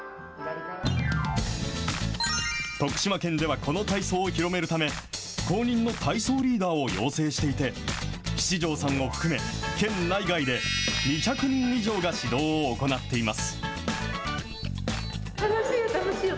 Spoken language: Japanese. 徳島県では、この体操を広めるため、公認の体操リーダーを養成していて、七條さんを含め、県内外で２００人以上が指導を行っています。